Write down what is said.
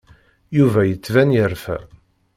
Yuba yettban yerfa.